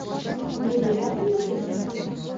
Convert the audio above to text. — Nega yopilmas ekan?!